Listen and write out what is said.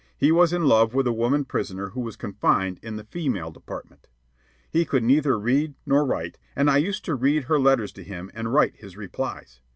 He was in love with a woman prisoner who was confined in the "female department." He could neither read nor write, and I used to read her letters to him and write his replies.